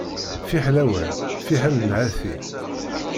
Fiḥel awal fiḥel nhati.